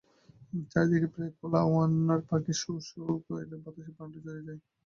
চারদিকে প্রায় খোলা ওয়ার্নার পার্কে শো শো বাতাসে প্রাণটা জুড়িয়ে যায়।